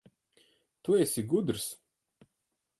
Tu esi gudrs.